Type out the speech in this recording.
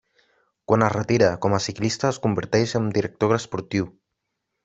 Quan es retira com a ciclista es converteix en director esportiu.